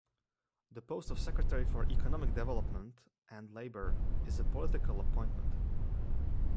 The post of Secretary for Economic Development and Labour is a political appointment.